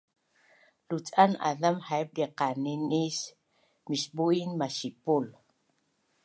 Luc’an azam haip diqanis misbu’in masipul